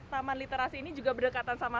taman literasi ini juga berdekatan sama